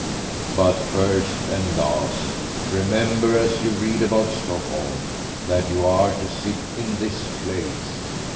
"But, first and last, remember as you read about Stockholm that you are to sit in this place.